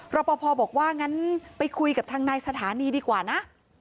รอปภบอกว่างั้นไปคุยกับทางนายสถานีดีกว่านะ